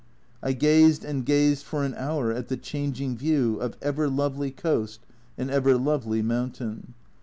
I gazed and gazed for an hour at the changing view of ever lovely coast and ever lovely mountain